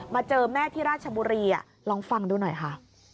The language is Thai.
เจอแม่ที่ราชบุรีลองฟังดูหน่อยค่ะ